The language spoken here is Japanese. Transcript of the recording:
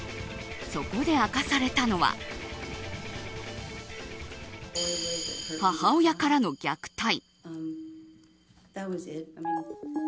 そこで明かされたのは母親からの虐待。